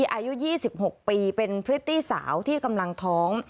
อายุ๒๖ปีเป็นพริตตี้สาวที่กำลังท้อง